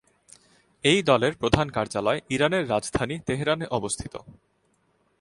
এই দলের প্রধান কার্যালয় ইরানের রাজধানী তেহরানে অবস্থিত।